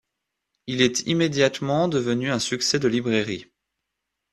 Il est immédiatement devenu un succès de librairie.